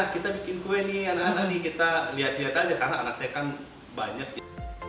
kita bikin kue nih anak anak nih kita lihat lihat aja karena anak saya kan banyak ya